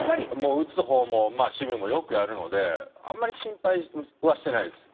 打つ方もまあ守備もよくやるのであんまり心配はしてないです。